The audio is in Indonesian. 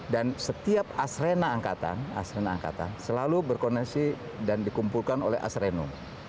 dan setiap asrena angkatan selalu berkoneksi dan dikumpulkan oleh asreno